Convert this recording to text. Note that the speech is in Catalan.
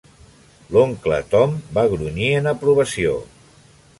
L'oncle Tom va grunyir en aprovació.